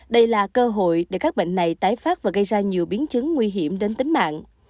đây là cơ hội để các bệnh này tái phát và gây ra nhiều biến chứng nguy hiểm đến tính mạng